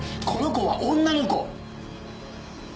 この子は女の子！